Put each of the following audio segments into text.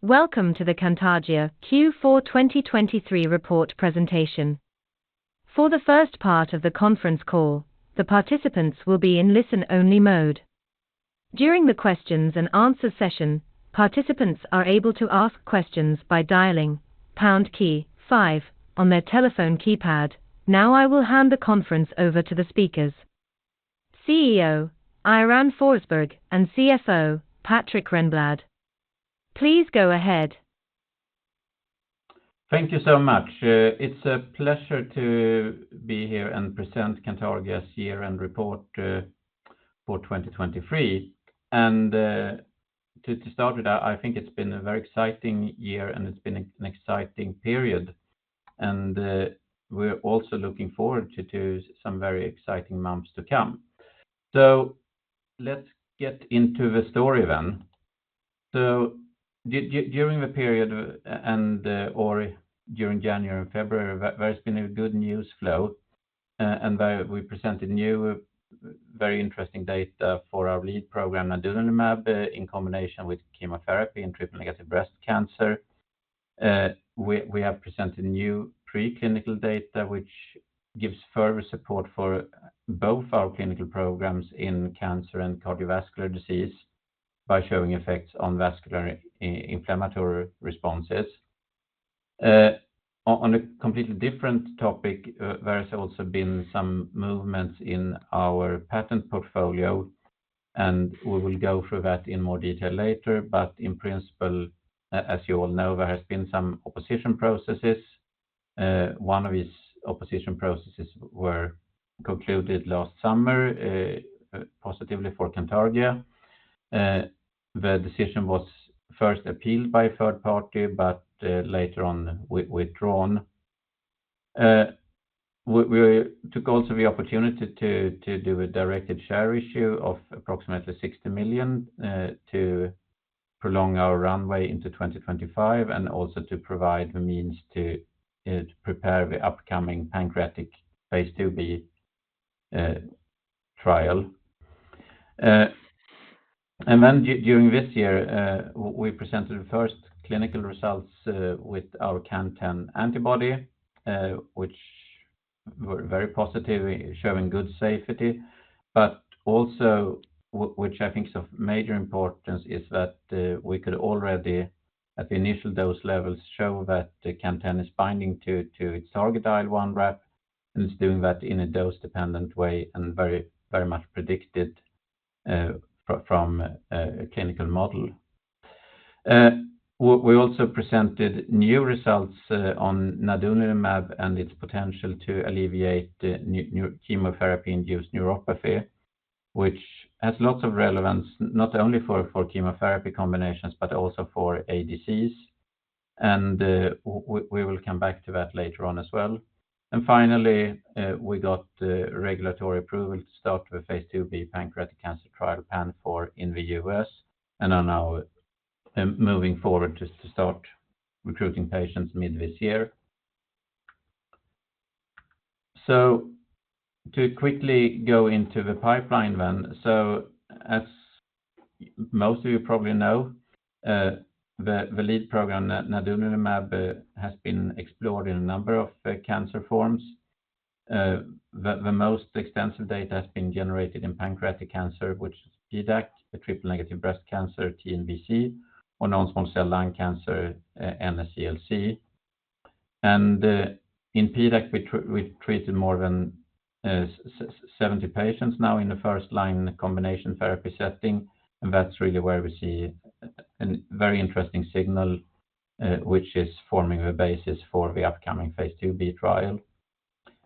Welcome to the Cantargia Q4 2023 report presentation. For the first part of the conference call, the participants will be in listen-only mode. During the questions and answers session, participants are able to ask questions by dialing pound five on their telephone keypad. Now I will hand the conference over to the speakers: CEO Göran Forsberg and CFO Patrik Renblad. Please go ahead. Thank you so much. It's a pleasure to be here and present Cantargia's year-end report for 2023. To start with, I think it's been a very exciting year and it's been an exciting period. We're also looking forward to some very exciting months to come. Let's get into the story then. During the period, and/or during January and February, there's been a good news flow and we presented new, very interesting data for our lead program, Nadunolimab, in combination with chemotherapy in triple-negative breast cancer. We have presented new preclinical data, which gives further support for both our clinical programs in cancer and cardiovascular disease by showing effects on vascular inflammatory responses. On a completely different topic, there has also been some movements in our patent portfolio, and we will go through that in more detail later. But in principle, as you all know, there has been some opposition processes. One of these opposition processes were concluded last summer, positively for Cantargia. The decision was first appealed by a third party, but later on withdrawn. We took also the opportunity to do a directed share issue of approximately 60 million to prolong our runway into 2025, and also to provide the means to prepare the upcoming pancreatic phase II b trial. And then during this year, we presented the first clinical results with our CAN10 antibody, which were very positive, showing good safety. But also, which I think is of major importance, is that we could already, at the initial dose levels, show that CAN10 is binding to its target IL1RAP. And it's doing that in a dose-dependent way and very, very much predicted from a clinical model. We also presented new results on Nadunolimab and its potential to alleviate chemotherapy-induced neuropathy, which has lots of relevance not only for chemotherapy combinations, but also for ADCs. We will come back to that later on as well. Finally, we got regulatory approval to start the phase II b pancreatic cancer trial PANFOUR in the US and are now moving forward to start recruiting patients mid this year. To quickly go into the pipeline then, as most of you probably know, the lead program, Nadunolimab, has been explored in a number of cancer forms. The most extensive data has been generated in pancreatic cancer, which is PDAC, triple-negative breast cancer, TNBC, or non-small cell lung cancer, NSCLC. In PDAC, we've treated more than 70 patients now in the first-line combination therapy setting. And that's really where we see a very interesting signal, which is forming the basis for the upcoming phase II b trial.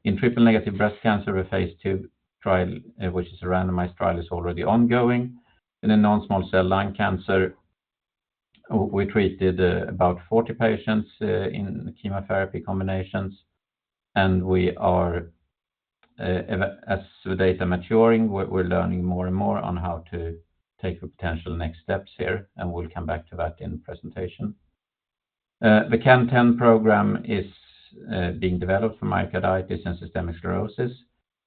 In triple-negative breast cancer, the phase II trial, which is a randomized trial, is already ongoing. In the non-small cell lung cancer, we treated about 40 patients in chemotherapy combinations. And we are, as the data maturing, we're learning more and more on how to take the potential next steps here, and we'll come back to that in the presentation. The CAN10 program is being developed for myocarditis and systemic sclerosis.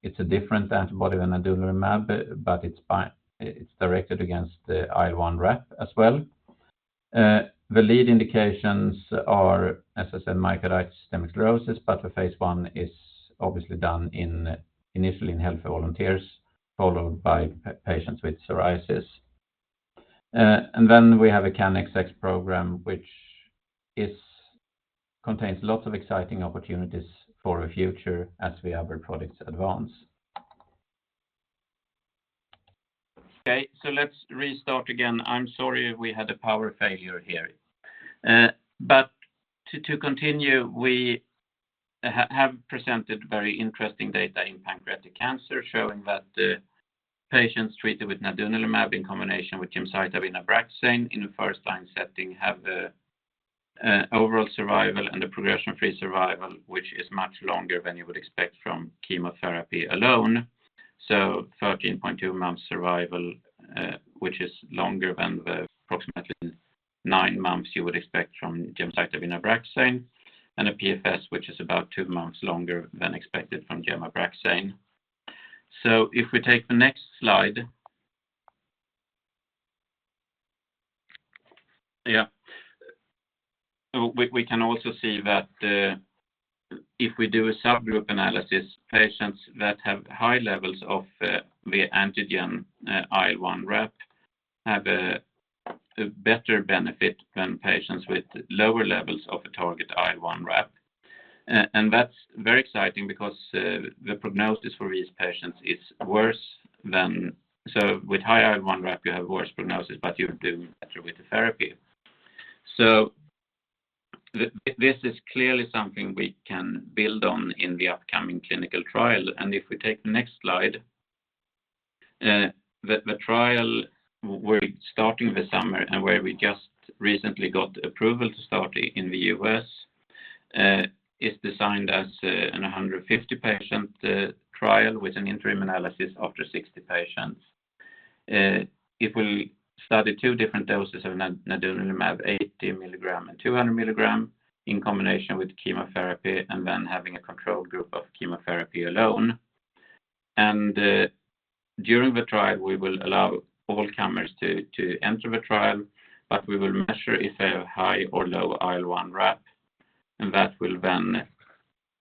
It's a different antibody than Nadunolimab, but it's directed against the IL1RAP as well. The lead indications are, as I said, myocarditis and systemic sclerosis, but the phase I is obviously done initially in healthy volunteers, followed by patients with psoriasis. Then we have a CANXX program, which contains lots of exciting opportunities for the future as products advance. Okay, so let's restart again. I'm sorry if we had a power failure here. But to continue, we have presented very interesting data in pancreatic cancer, showing that patients treated with Nadunolimab in combination with gemcitabine Abraxane in the first-line setting have overall survival and a progression-free survival, which is much longer than you would expect from chemotherapy alone. So 13.2 months survival, which is longer than the approximately nine months you would expect from gemcitabine Abraxane, and a PFS, which is about two months longer than expected from gemcitabine Abraxane. So if we take the next slide. Yeah. We can also see that if we do a subgroup analysis, patients that have high levels of the antigen IL1RAP have a better benefit than patients with lower levels of a target IL1RAP. And that's very exciting because the prognosis for these patients is worse than. So with high IL1RAP, you have worse prognosis, but you're doing better with the therapy. So this is clearly something we can build on in the upcoming clinical trial. And if we take the next slide. The trial we're starting this summer and where we just recently got approval to start in the US is designed as a 150-patient trial with an interim analysis after 60 patients. It will study two different doses of Nadunolimab, 80 mg and 200 mg, in combination with chemotherapy and then having a control group of chemotherapy alone. And during the trial, we will allow all comers to enter the trial, but we will measure if they have high or low IL1RAP. And that will then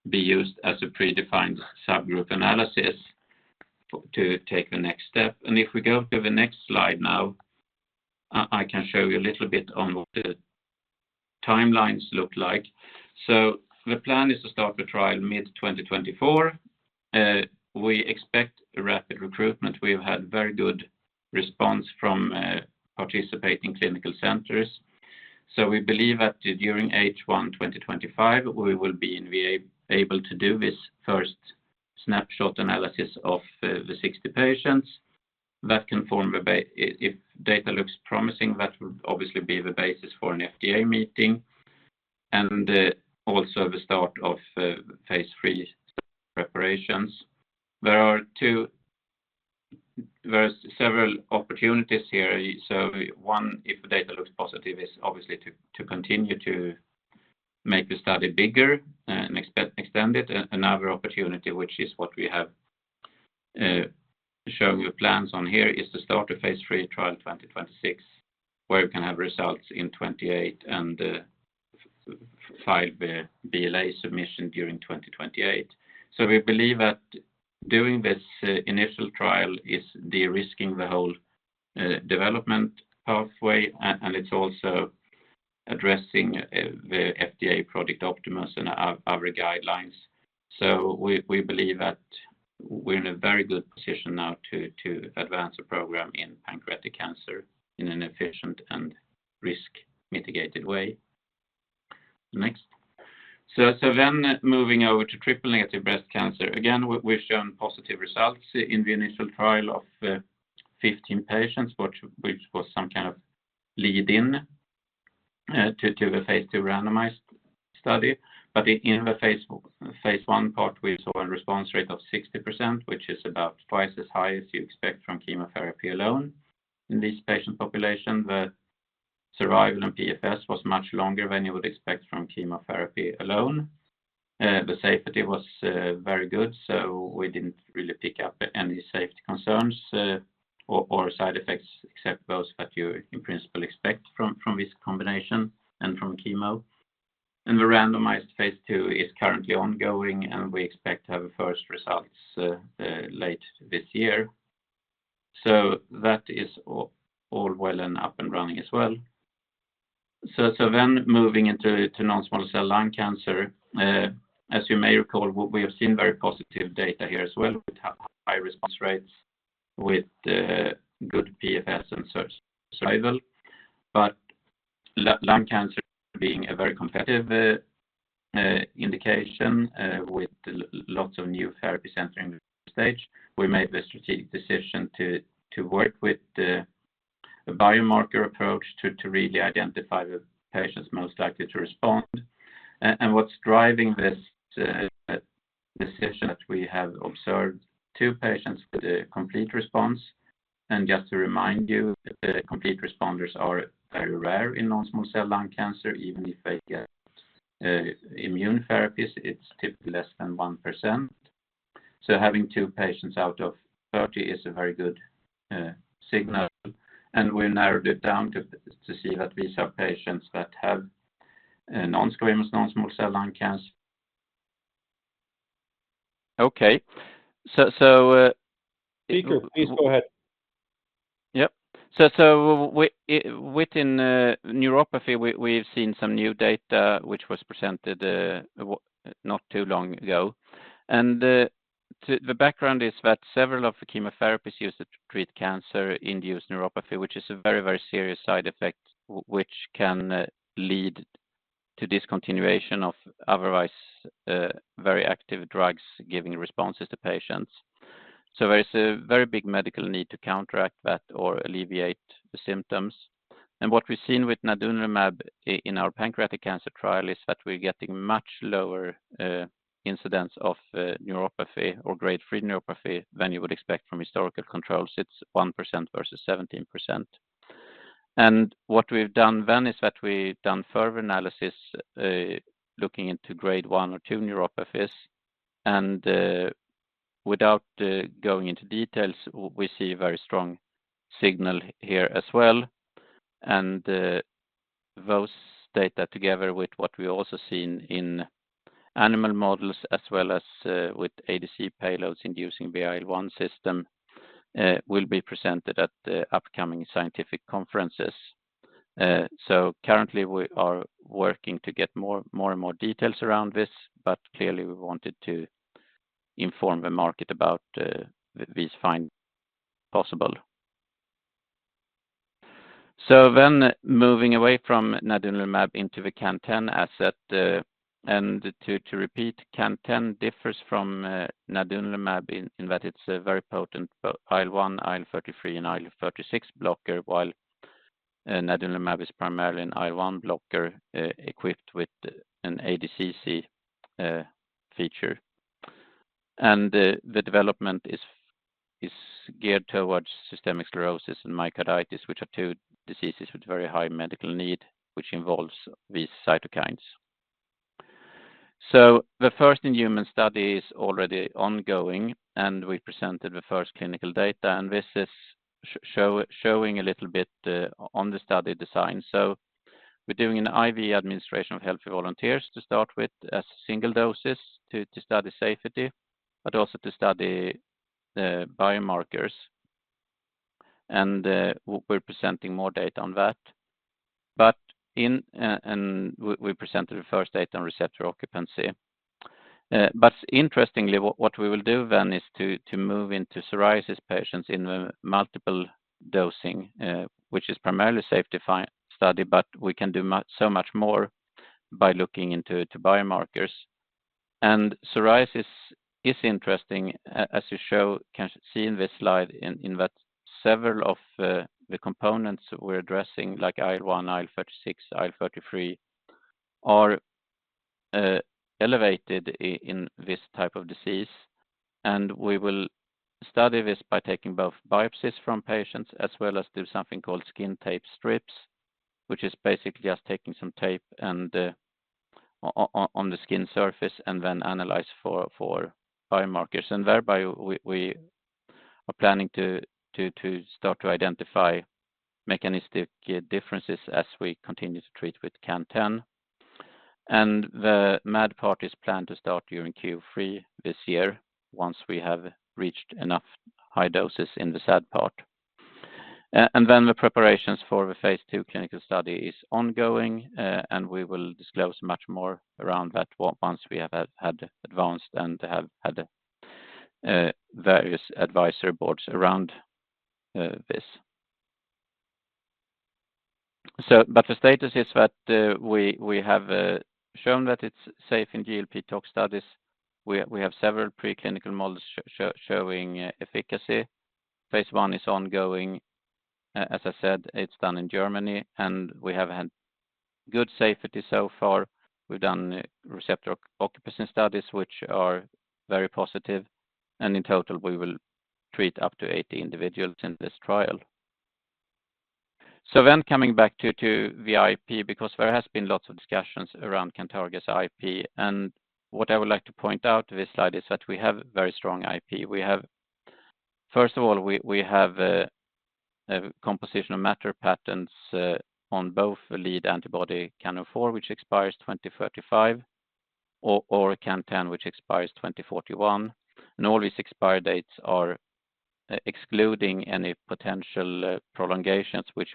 be used as a predefined subgroup analysis to take the next step. If we go to the next slide now, I can show you a little bit on what the timelines look like. The plan is to start the trial mid-2024. We expect rapid recruitment. We have had very good response from participating clinical centers. We believe that during H1 2025, we will be able to do this first snapshot analysis of the 60 patients. That can form the basis. If data looks promising, that will obviously be the basis for an FDA meeting. Also the start of phase III preparations. There are several opportunities here. One, if the data looks positive, is obviously to continue to make the study bigger and extend it. Another opportunity, which is what we have shown you plans on here, is to start a phase III trial 2026, where we can have results in 2028 and file the BLA submission during 2028. So we believe that doing this initial trial is de-risking the whole development pathway, and it's also addressing the FDA's Project Optimus and other guidelines. So we believe that we're in a very good position now to advance a program in pancreatic cancer in an efficient and risk-mitigated way. Next. So then moving over to triple-negative breast cancer. Again, we've shown positive results in the initial trial of 15 patients, which was some kind of lead-in to the phase II randomized study. But in the phase I part, we saw a response rate of 60%, which is about twice as high as you expect from chemotherapy alone in this patient population. The survival and PFS was much longer than you would expect from chemotherapy alone. The safety was very good, so we didn't really pick up any safety concerns or side effects except those that you in principle expect from this combination and from chemo. The randomized phase II is currently ongoing, and we expect to have the first results late this year. That is all well and up and running as well. Then moving into non-small cell lung cancer. As you may recall, we have seen very positive data here as well with high response rates, with good PFS and survival. But lung cancer being a very competitive indication with lots of new therapy centers in the stage, we made the strategic decision to work with a biomarker approach to really identify the patients most likely to respond. What's driving this decision? That we have observed two patients with a complete response. And just to remind you, complete responders are very rare in non-small cell lung cancer. Even if they get immune therapies, it's typically less than 1%. So having two patients out of 30 is a very good signal. And we narrowed it down to see that these are patients that have non-squamous non-small cell lung cancer. Okay. So if. Speaker, please go ahead. Yep. So within neuropathy, we've seen some new data, which was presented not too long ago. And the background is that several of the chemotherapies used to treat cancer induce neuropathy, which is a very, very serious side effect, which can lead to discontinuation of otherwise very active drugs giving responses to patients. So there is a very big medical need to counteract that or alleviate the symptoms. And what we've seen with Nadunolimab in our pancreatic cancer trial is that we're getting much lower incidence of neuropathy or grade 3 neuropathy than you would expect from historical controls. It's 1% versus 17%. And what we've done then is that we've done further analysis looking into grade 1 or 2 neuropathies. And without going into details, we see a very strong signal here as well. Those data together with what we've also seen in animal models as well as with ADC payloads inducing the IL-1 system will be presented at upcoming scientific conferences. So currently, we are working to get more and more details around this, but clearly, we wanted to inform the market about these findings if possible. So then moving away from Nadunolimab into the CAN10 asset. And to repeat, CAN10 differs from Nadunolimab in that it's a very potent IL-1, IL-33, and IL-36 blocker, while Nadunolimab is primarily an IL-1 blocker equipped with an ADC feature. And the development is geared towards systemic sclerosis and myocarditis, which are two diseases with very high medical need, which involves these cytokines. So the first-in-human study is already ongoing, and we presented the first clinical data. And this is showing a little bit on the study design. So we're doing an IV administration of healthy volunteers to start with as single doses to study safety, but also to study biomarkers. We're presenting more data on that. We presented the first data on receptor occupancy. Interestingly, what we will do then is to move into psoriasis patients in multiple dosing, which is primarily a safety study, but we can do so much more by looking into biomarkers. Psoriasis is interesting, as you can see in this slide, in that several of the components we're addressing, like IL-1, IL-36, IL-33, are elevated in this type of disease. We will study this by taking both biopsies from patients as well as do something called skin tape strips, which is basically just taking some tape on the skin surface and then analyzing for biomarkers. And thereby, we are planning to start to identify mechanistic differences as we continue to treat with CAN10. And the MAD part is planned to start during Q3 this year once we have reached enough high doses in the SAD part. And then the preparations for the phase II clinical study are ongoing, and we will disclose much more around that once we have advanced and have had various advisory boards around this. But the status is that we have shown that it's safe in GLP-tox studies. We have several preclinical models showing efficacy. Phase I is ongoing. As I said, it's done in Germany, and we have had good safety so far. We've done receptor occupation studies, which are very positive. And in total, we will treat up to 80 individuals in this trial. So then coming back to IP, because there have been lots of discussions around Cantargia's IP. And what I would like to point out to this slide is that we have very strong IP. First of all, we have a composition of matter patents on both lead antibody CAN04, which expires 2035, or CAN10, which expires 2041. And all these expire dates are excluding any potential prolongations, which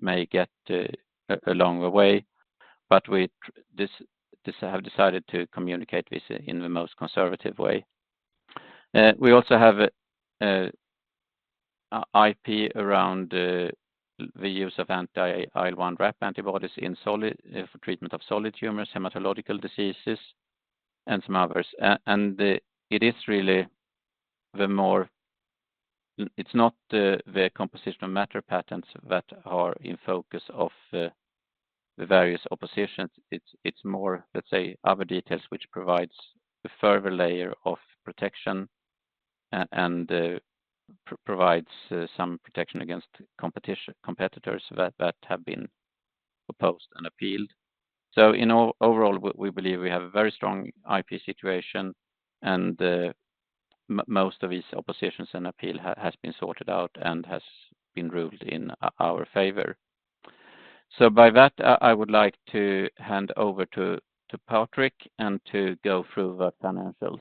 may get along the way. But we have decided to communicate this in the most conservative way. We also have IP around the use of anti-IL1RAP antibodies for treatment of solid tumors, hematological diseases, and some others. And it is really the more. It's not the composition of matter patents that are in focus of the various oppositions. It's more, let's say, other details which provide a further layer of protection and provide some protection against competitors that have been opposed and appealed. So overall, we believe we have a very strong IP situation, and most of these oppositions and appeal have been sorted out and have been ruled in our favor. So by that, I would like to hand over to Patrik and to go through the financials.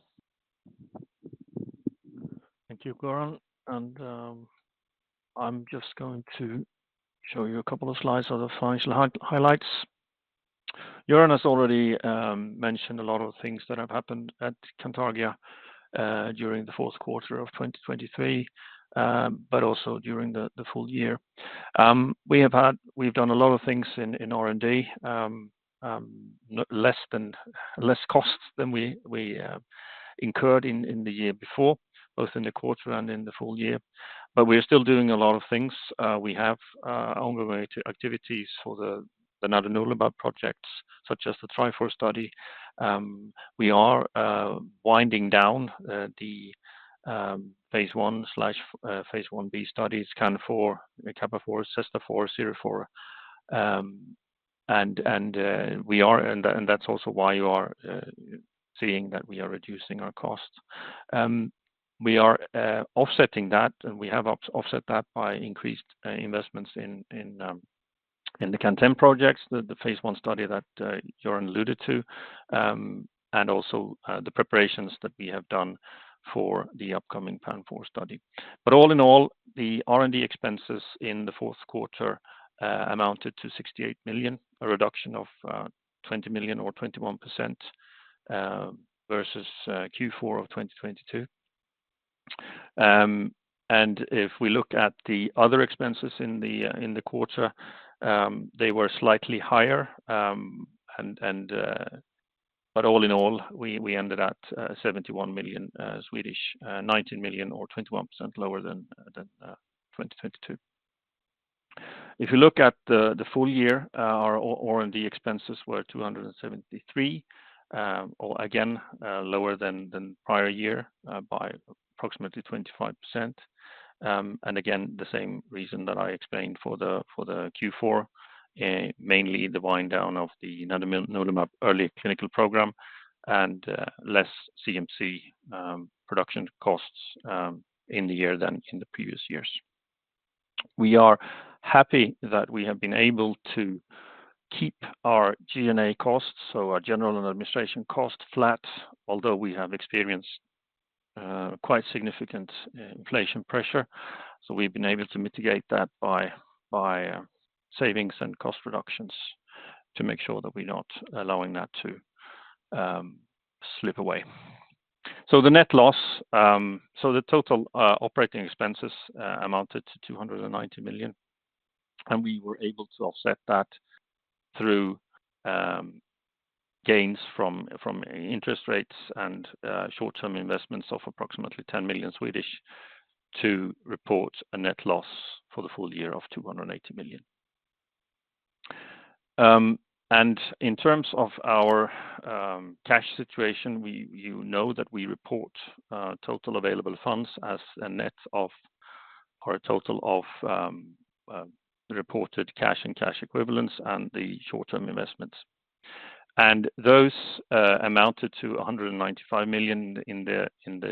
Thank you, Göran. I'm just going to show you a couple of slides of the financial highlights. Gorann has already mentioned a lot of things that have happened at Cantargia during the fourth quarter of 2023, but also during the full year. We've done a lot of things in R&D, less costs than we incurred in the year before, both in the quarter and in the full year. We're still doing a lot of things. We have ongoing activities for the Nadunolimab projects, such as the TRIFOUR study. We are winding down the phase I/phase I b studies, CANFOUR, KAPPAFOUR, CESTAFOUR, SERAFOUR. That's also why you are seeing that we are reducing our costs. We are offsetting that, and we have offset that by increased investments in the CAN10 projects, the phase I study that Gorann alluded to, and also the preparations that we have done for the upcoming PANFOUR study. But all in all, the R&D expenses in the Q4 amounted to 68 million, a reduction of 20 million or 21% versus Q4 of 2022. And if we look at the other expenses in the quarter, they were slightly higher. But all in all, we ended at 71 million, 19 million or 21% lower than 2022. If you look at the full year, our R&D expenses were 273, again, lower than the prior year by approximately 25%. Again, the same reason that I explained for the Q4, mainly the wind down of the Nadunolimab early clinical program and less CMC production costs in the year than in the previous years. We are happy that we have been able to keep our G&A costs, so our general and administration costs, flat, although we have experienced quite significant inflation pressure. So we've been able to mitigate that by savings and cost reductions to make sure that we're not allowing that to slip away. So the net loss, so the total operating expenses amounted to 290 million. And we were able to offset that through gains from interest rates and short-term investments of approximately 10 million to report a net loss for the full year of 280 million. In terms of our cash situation, you know that we report total available funds as a net of or a total of reported cash and cash equivalents and the short-term investments. Those amounted to 195 million in the end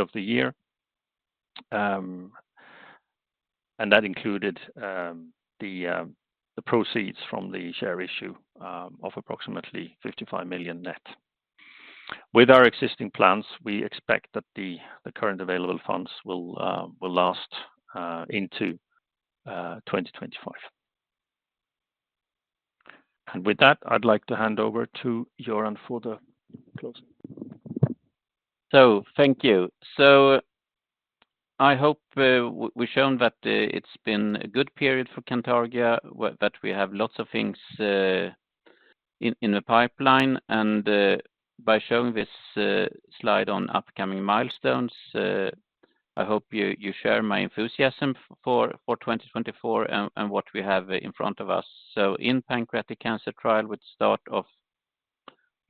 of the year. That included the proceeds from the share issue of approximately 55 million net. With our existing plans, we expect that the current available funds will last into 2025. With that, I'd like to hand over to Goran for the closing. So thank you. So I hope we've shown that it's been a good period for Cantargia, that we have lots of things in the pipeline. And by showing this slide on upcoming milestones, I hope you share my enthusiasm for 2024 and what we have in front of us. So in the pancreatic cancer trial with the start of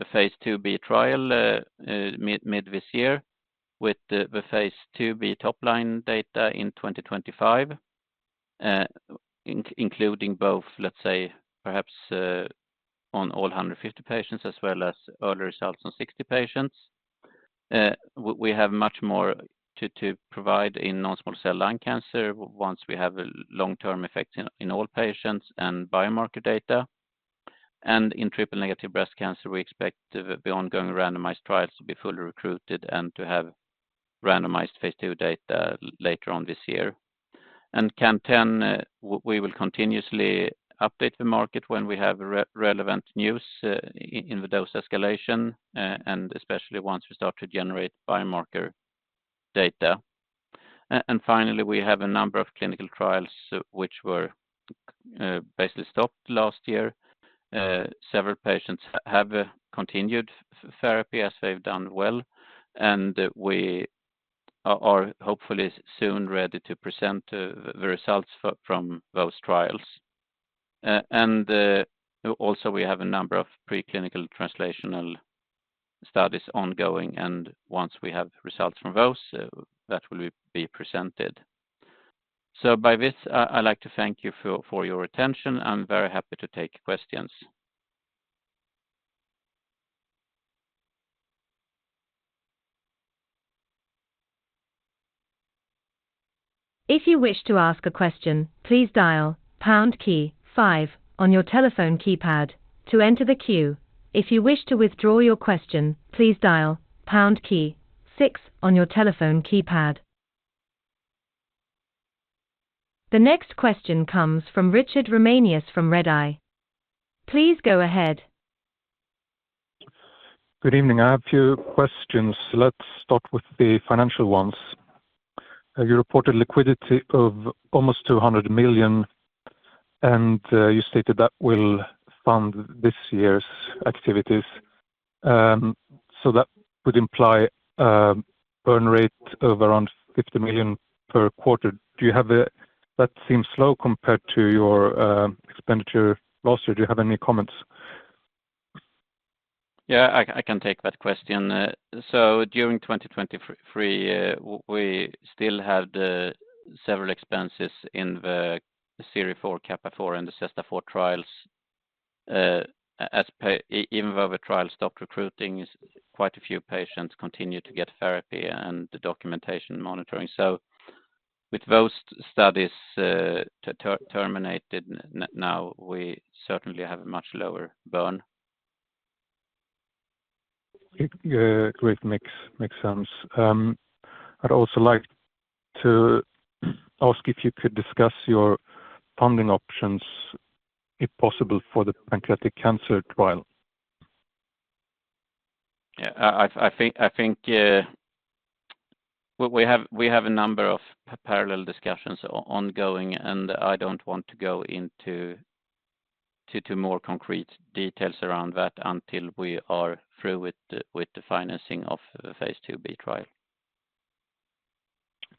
the phase II b trial mid this year with the phase II b topline data in 2025, including both, let's say, perhaps on all 150 patients as well as early results on 60 patients. We have much more to provide in non-small cell lung cancer once we have long-term effects in all patients and biomarker data. And in triple negative breast cancer, we expect the ongoing randomized trials to be fully recruited and to have randomized phase II data later on this year. CAN10, we will continuously update the market when we have relevant news in the dose escalation, and especially once we start to generate biomarker data. Finally, we have a number of clinical trials which were basically stopped last year. Several patients have continued therapy as they've done well. We are hopefully soon ready to present the results from those trials. Also, we have a number of preclinical translational studies ongoing. Once we have results from those, that will be presented. So by this, I'd like to thank you for your attention. I'm very happy to take questions. If you wish to ask a question, please dial pound key five on your telephone keypad to enter the queue. If you wish to withdraw your question, please dial pound key six on your telephone keypad. The next question comes from Richard Ramanius from Redeye. Please go ahead. Good evening. I have a few questions. Let's start with the financial ones. You reported liquidity of almost 200 million, and you stated that will fund this year's activities. So that would imply a burn rate of around 50 million per quarter. That seems slow compared to your expenditure last year. Do you have any comments? Yeah, I can take that question. So during 2023, we still had several expenses in the TRIFOUR, CANFOUR, and the PANFOUR trials. Even though the trials stopped recruiting, quite a few patients continued to get therapy and the documentation monitoring. So with those studies terminated now, we certainly have a much lower burn. Great mix. Makes sense. I'd also like to ask if you could discuss your funding options, if possible, for the pancreatic cancer trial. Yeah, I think we have a number of parallel discussions ongoing, and I don't want to go into more concrete details around that until we are through with the financing of the phase II b trial.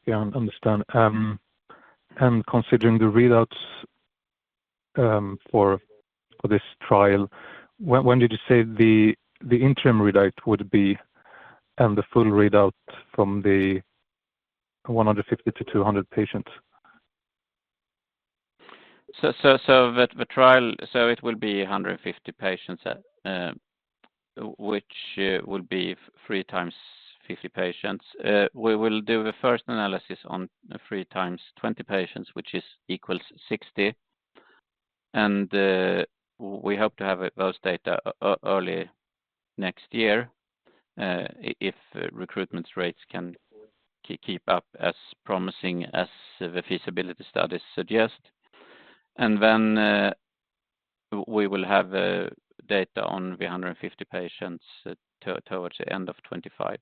Yeah, I understand. Considering the readouts for this trial, when did you say the interim readout would be and the full readout from the 150-200 patients? It will be 150 patients, which will be 3x 50 patients. We will do the first analysis on 3x 20 patients, which equals 60. We hope to have those data early next year if recruitment rates can keep up as promising as the feasibility studies suggest. Then we will have data on the 150 patients towards the end of 2025.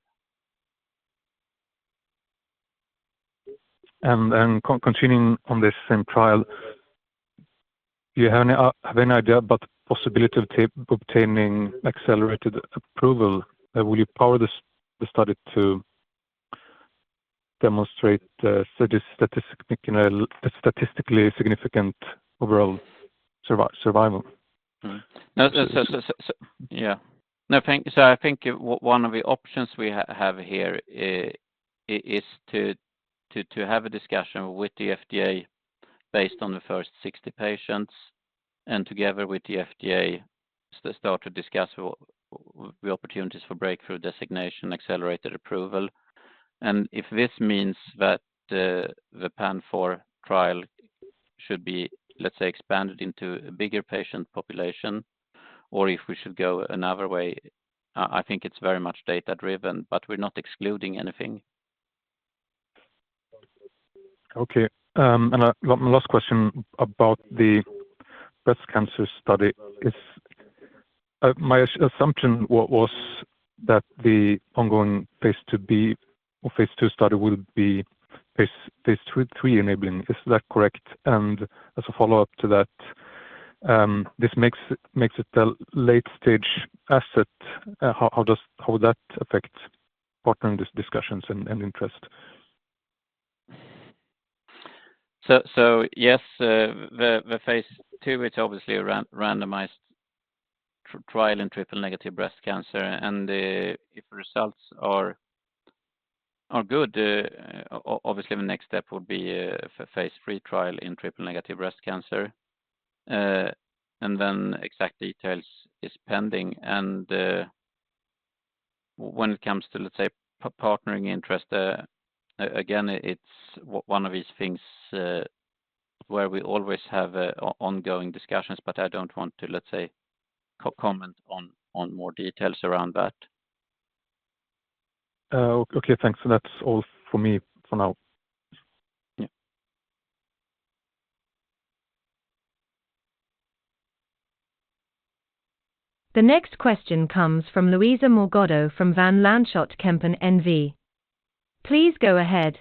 Continuing on this same trial, do you have any idea about the possibility of obtaining accelerated approval? Will you power the study to demonstrate statistically significant overall survival? Yeah. No, so I think one of the options we have here is to have a discussion with the FDA based on the first 60 patients and together with the FDA start to discuss the opportunities for breakthrough designation, accelerated approval. If this means that the PANFOUR trial should be, let's say, expanded into a bigger patient population, or if we should go another way, I think it's very much data-driven, but we're not excluding anything. Okay. My last question about the breast cancer study is my assumption was that the ongoing phase II b or phase II study will be phase III enabling. Is that correct? As a follow-up to that, this makes it a late-stage asset. How would that affect partnering discussions and interest? Yes, the phase II, it's obviously a randomized trial in triple-negative breast cancer. If the results are good, obviously the next step would be a phase III trial in triple-negative breast cancer. Then exact details are pending. When it comes to, let's say, partnering interest, again, it's one of these things where we always have ongoing discussions, but I don't want to, let's say, comment on more details around that. Okay, thanks. That's all for me for now. Yeah. The next question comes from Luisa Morgado from Van Lanschot Kempen, NV. Please go ahead.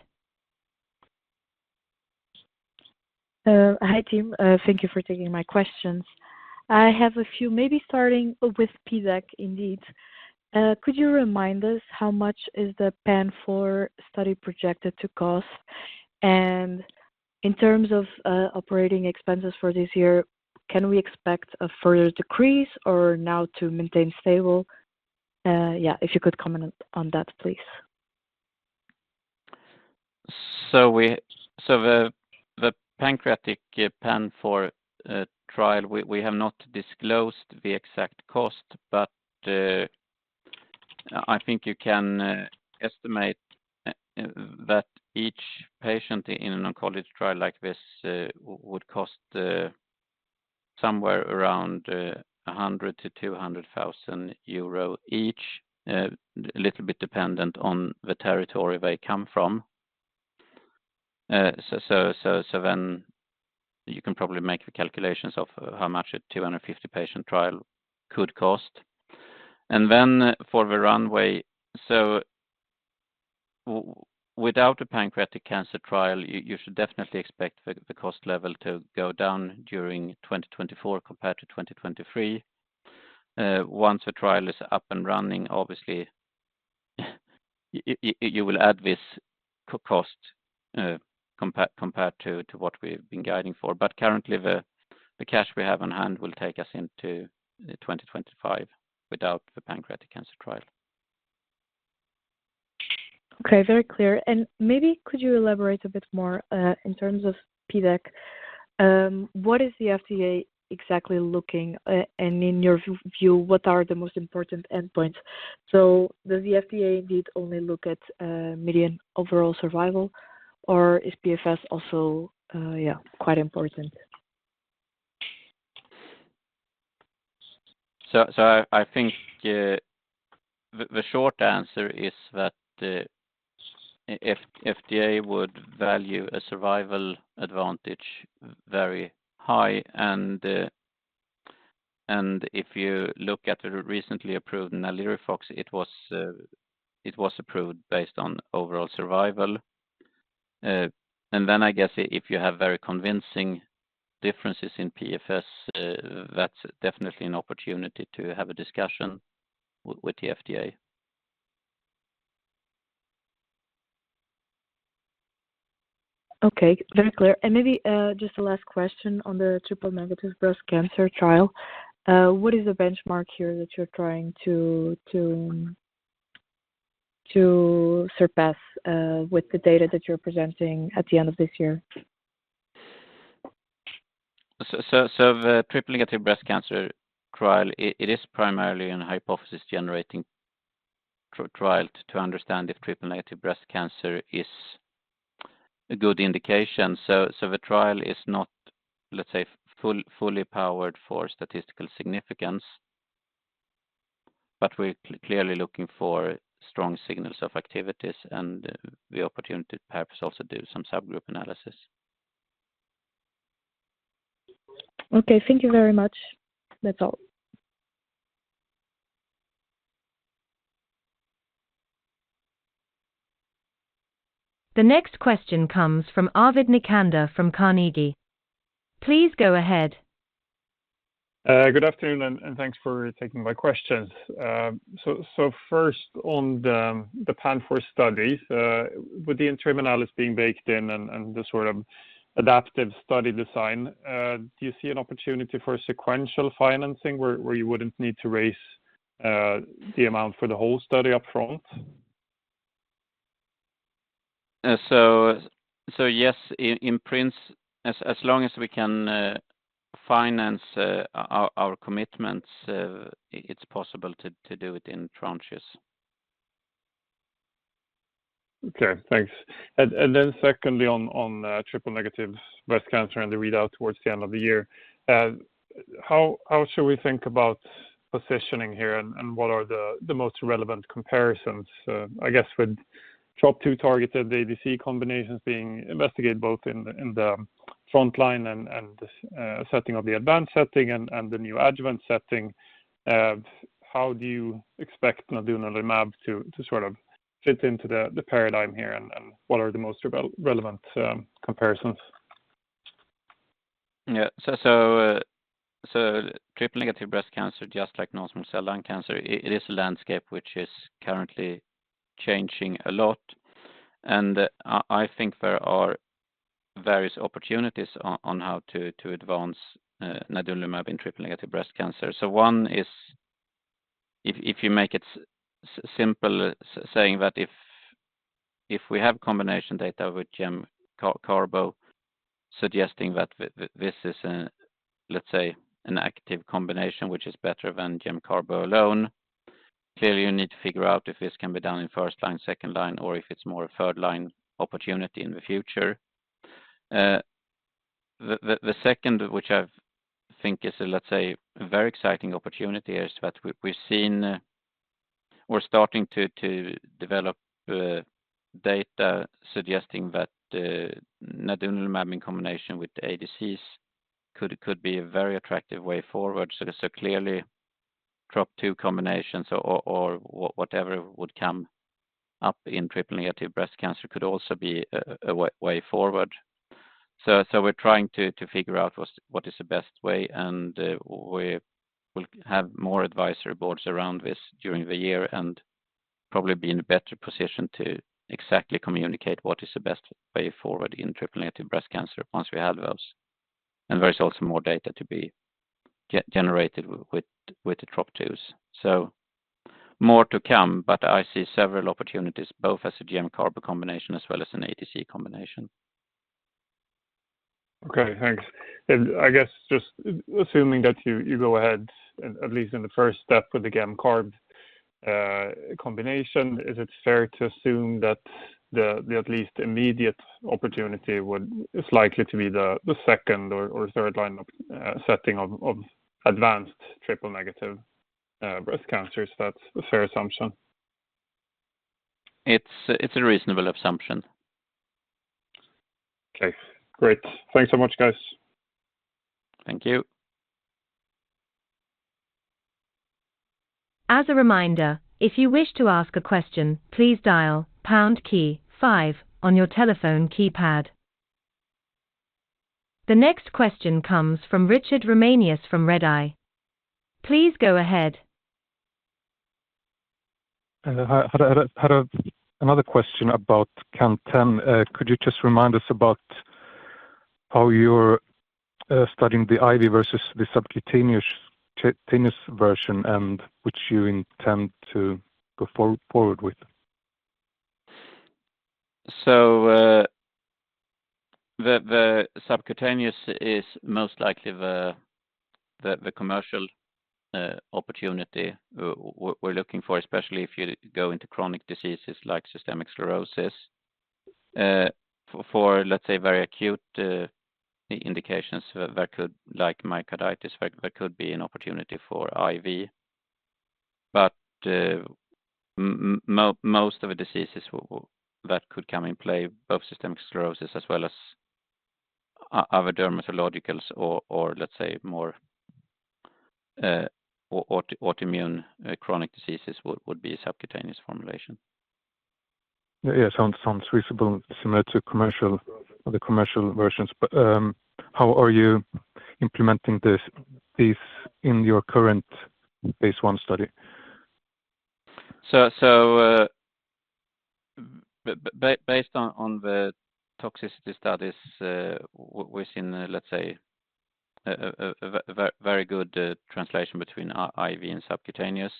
Hi team. Thank you for taking my questions. I have a few, maybe starting with PDAC indeed. Could you remind us how much the PANFOUR study is projected to cost? And in terms of operating expenses for this year, can we expect a further decrease or now to maintain stable? Yeah, if you could comment on that, please. So the pancreatic PANFOUR trial, we have not disclosed the exact cost, but I think you can estimate that each patient in an oncology trial like this would cost somewhere around 100,000-200,000 euro each, a little bit dependent on the territory they come from. So then you can probably make the calculations of how much a 250-patient trial could cost. And then for the runway, so without a pancreatic cancer trial, you should definitely expect the cost level to go down during 2024 compared to 2023. Once the trial is up and running, obviously, you will add this cost compared to what we've been guiding for. But currently, the cash we have on hand will take us into 2025 without the pancreatic cancer trial. Okay, very clear. Maybe could you elaborate a bit more in terms of PDAC? What is the FDA exactly looking at? In your view, what are the most important endpoints? Does the FDA indeed only look at median overall survival, or is PFS also, yeah, quite important? I think the short answer is that the FDA would value a survival advantage very high. And then I guess if you have very convincing differences in PFS, that's definitely an opportunity to have a discussion with the FDA. Okay, very clear. And maybe just the last question on the triple-negative breast cancer trial. What is the benchmark here that you're trying to surpass with the data that you're presenting at the end of this year? So the triple-negative breast cancer trial, it is primarily a hypothesis-generating trial to understand if triple-negative breast cancer is a good indication. So the trial is not, let's say, fully powered for statistical significance. But we're clearly looking for strong signals of activities, and the opportunity to perhaps also do some subgroup analysis. Okay, thank you very much. That's all. The next question comes from Arvid Necander from Carnegie. Please go ahead. Good afternoon, and thanks for taking my questions. First, on the PANFOUR studies, with the interim analysis being baked in and the sort of adaptive study design, do you see an opportunity for sequential financing where you wouldn't need to raise the amount for the whole study upfront? So yes, in principle, as long as we can finance our commitments, it's possible to do it in tranches. Okay, thanks. And then secondly, on triple-negative breast cancer and the readout towards the end of the year, how should we think about positioning here, and what are the most relevant comparisons? I guess with Trop-2 targeted ADC combinations being investigated both in the frontline and the setting of the advanced setting and the neo-adjuvant setting, how do you expect Nadunolimab to sort of fit into the paradigm here, and what are the most relevant comparisons? Yeah, so triple-negative breast cancer, just like non-small cell lung cancer, it is a landscape which is currently changing a lot. And I think there are various opportunities on how to advance Nadunolimab in triple-negative breast cancer. So one is, if you make it simple, saying that if we have combination data with gem carbo, suggesting that this is, let's say, an active combination which is better than gem carbo alone, clearly you need to figure out if this can be done in first line, second line, or if it's more a third line opportunity in the future. The second, which I think is, let's say, a very exciting opportunity, is that we're starting to develop data suggesting that Nadunolimab in combination with ADCs could be a very attractive way forward. So clearly, top two combinations or whatever would come up in triple-negative breast cancer could also be a way forward. So we're trying to figure out what is the best way, and we will have more advisory boards around this during the year and probably be in a better position to exactly communicate what is the best way forward in triple-negative breast cancer once we have those. And there is also more data to be generated with the Trop-2s. So more to come, but I see several opportunities both as a gem carbo combination as well as an ADC combination. Okay, thanks. And I guess just assuming that you go ahead, at least in the first step with the gem carb combination, is it fair to assume that the at least immediate opportunity is likely to be the second- or third-line setting of advanced triple-negative breast cancers? That's a fair assumption. It's a reasonable assumption. Okay, great. Thanks so much, guys. Thank you. As a reminder, if you wish to ask a question, please dial pound key 5 on your telephone keypad. The next question comes from Richard Romanius from Redeye. Please go ahead. I had another question about CAN10. Could you just remind us about how you're studying the IV versus the subcutaneous version, and which you intend to go forward with? So the subcutaneous is most likely the commercial opportunity we're looking for, especially if you go into chronic diseases like systemic sclerosis. For, let's say, very acute indications like myocarditis, there could be an opportunity for IV. But most of the diseases that could come in play, both systemic sclerosis as well as other dermatological or, let's say, more autoimmune chronic diseases, would be a subcutaneous formulation. Yeah, sounds reasonable and similar to the commercial versions. But how are you implementing these in your current phase I study? Based on the toxicity studies, we're seeing, let's say, a very good translation between IV and subcutaneous.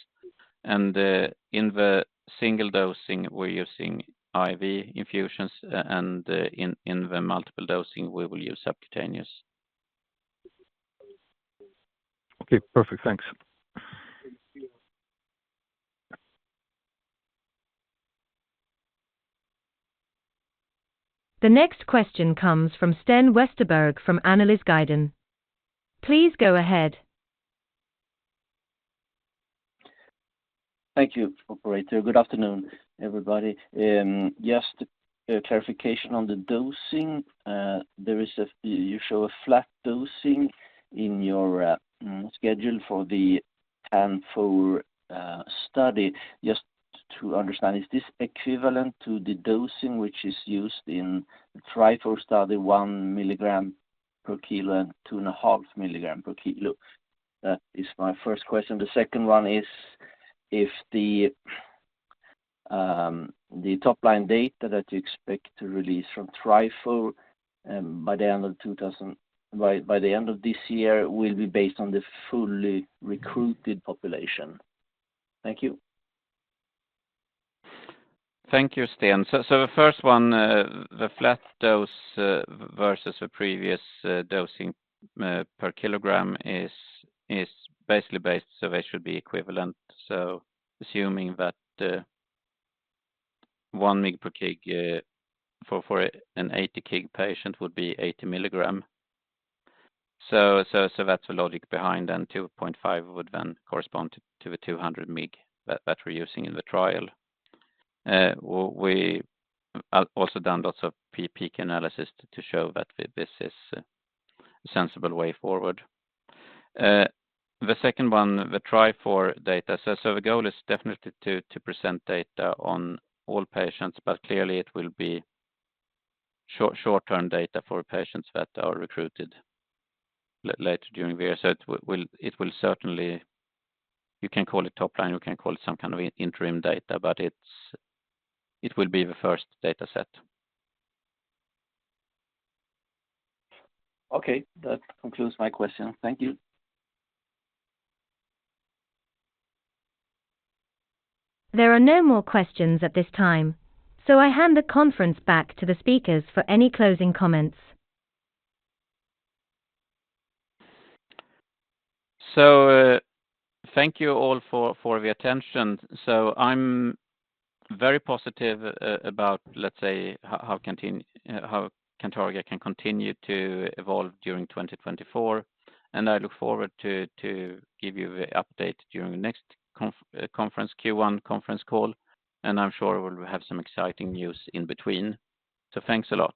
In the single dosing, we're using IV infusions, and in the multiple dosing, we will use subcutaneous. Okay, perfect. Thanks. The next question comes from Sten Westerberg from Analysguiden Please go ahead. Thank you, operator. Good afternoon, everybody. Just a clarification on the dosing. You show a flat dosing in your schedule for the PANFOUR study. Just to understand, is this equivalent to the dosing which is used in the TRIFOUR study, 1 mg per kilo and 2.5 mg per kilo? That is my first question. The second one is if the top line data that you expect to release from TRIFOUR by the end of this year will be based on the fully recruited population. Thank you. Thank you, Sten. So the first one, the flat dose versus the previous dosing per kilogram is basically based, so they should be equivalent. So assuming that 1 mg per kg for an 80 kg patient would be 80 mg. So that's the logic behind then. 2.5 would then correspond to the 200 mg that we're using in the trial. We've also done lots of PK analysis to show that this is a sensible way forward. The second one, the TRIFOUR data. So the goal is definitely to present data on all patients, but clearly it will be short-term data for patients that are recruited later during the year. So it will certainly, you can call it top line, you can call it some kind of interim data, but it will be the first dataset. Okay, that concludes my question. Thank you. There are no more questions at this time, so I hand the conference back to the speakers for any closing comments. So thank you all for the attention. So I'm very positive about, let's say, how Cantargia can continue to evolve during 2024. And I look forward to giving you the update during the next Q1 conference call, and I'm sure we'll have some exciting news in between. So thanks a lot.